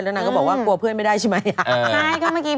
แล้วนางก็บอกว่ากลัวเพื่อนไม่ได้ใช่ไหม